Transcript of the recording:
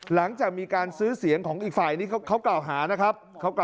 หลังจากมีการซื้อเสียงของอีกฝ่ายนี้เขากล่าวหานะครับ